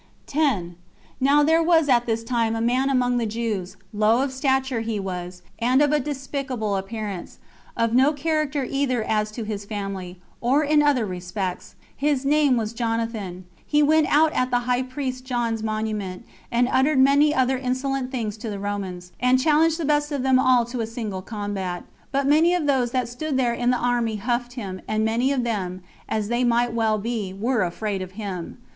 10. Now there was at this time a man among the Jews, low of stature he was, and of a despicable appearance; of no character either as to his family, or in other respects: his name was Jonathan. He went out at the high priest John's monument, and uttered many other insolent things to the Romans, and challenged the best of them all to a single combat. But many of those that stood there in the army huffed him, and many of them [as they might well be] were afraid of him.